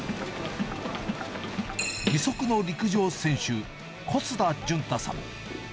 義足の陸上選手、小須田潤太さん。